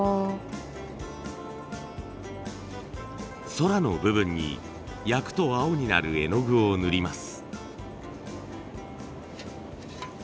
空の部分に焼くと青になる絵の具を塗ります。